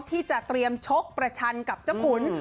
ที่จะเตรียมชกประชันกับเจ้าขุน